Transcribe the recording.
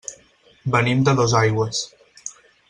Venim de Dosaigües.